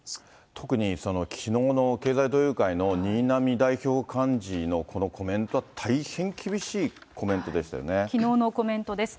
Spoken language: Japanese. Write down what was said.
特にきのうの経済同友会の新浪代表幹事のこのコメントは大変きのうのコメントです。